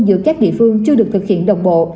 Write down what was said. giữa các địa phương chưa được thực hiện đồng bộ